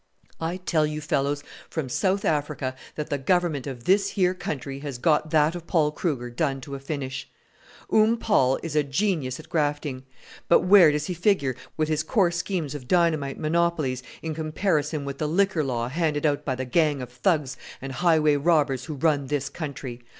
"I tell you fellows from South Africa that the Government of this here country has got that of Paul Kruger done to a finish. Oom Paul is a genius at grafting; but where does he figure, with his coarse schemes of dynamite monopolies, in comparison with the liquor law handed out by the gang of thugs and highway robbers who run this country?